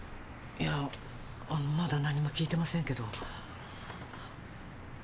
いやまだ何も聞いてませんけど。